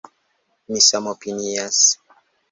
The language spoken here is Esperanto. Mi samopinias.